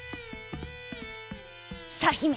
「さあひめ。